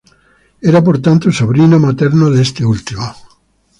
Era por tanto, sobrino materno de este último.